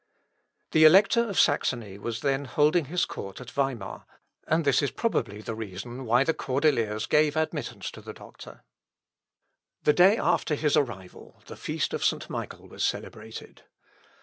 The elector of Saxony was then holding his court at Weimar, and this is probably the reason why the Cordeliers gave admittance to the doctor. The day after his arrival the feast of St. Michael was celebrated.